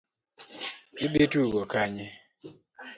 Idhi tugo Kanye?